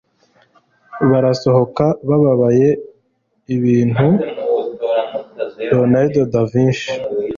Barasohoka babaye ibintu. ”- Leonardo Da Vinci